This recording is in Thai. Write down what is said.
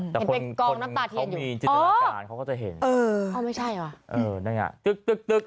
แต่คนเขามีจิตนาการเขาก็จะเห็นเอออ่อไม่ใช่เหรอเออนั่นไงตึ๊ดตึ๊ดตึ๊ด